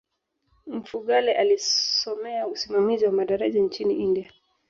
mfugale alisomea usimamizi wa madaraja nchini india